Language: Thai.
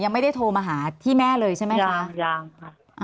ไม่ได้โทรมาหาที่แม่เลยใช่ไหมคะยังค่ะ